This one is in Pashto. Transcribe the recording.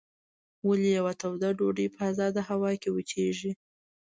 ولې یوه توده ډوډۍ په ازاده هوا کې وچیږي؟